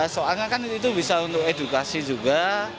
soalnya kan itu bisa untuk edukasi juga